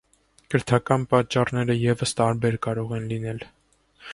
Կրթական պատճառները ևս տարբեր կարող են լինել։